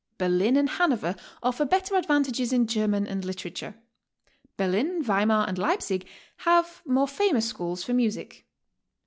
Berlin and Hanover offer better advantages in German and literature. Berlin, Weimar and Leipsic have more famous schools for music.